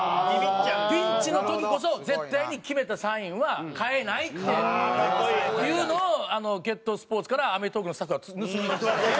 ピンチの時こそ絶対に決めたサインは変えないっていうのを『ＧＥＴＳＰＯＲＴＳ』から『アメトーーク』のスタッフが盗み聞きした。